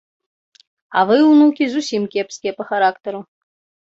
А вы, унукі, зусім кепскія па характару.